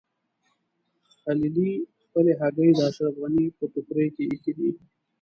خلیلي خپلې هګۍ د اشرف غني په ټوکرۍ کې ایښي دي.